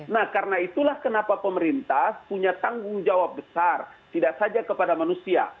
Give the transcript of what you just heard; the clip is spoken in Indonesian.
nah karena itulah kenapa pemerintah punya tanggung jawab besar tidak saja kepada manusia